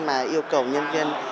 mà yêu cầu nhân viên